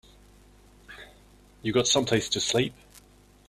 You got someplace to sleep?